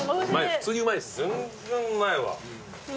普通にうまいです。